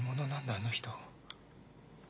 あの人。